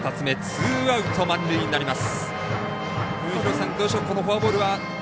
ツーアウト、満塁になります。